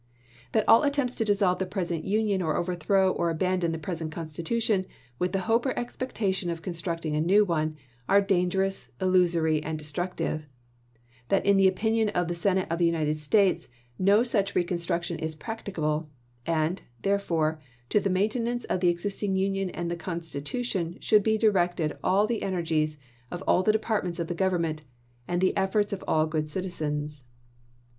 That all attempts to dissolve the present Union, or overthrow or abandon the present Constitution, with the hope or expectation of constructing a new one, are dan gerous, illusory, and destructive ; that in the opinion of the Senate of the United States no such reconstruction is practicable, and, therefore, to the maintenance of the existing Union and Constitution should be directed all the energies of all the departments of the Government, v'ibi""' and the efforts of all good citizens.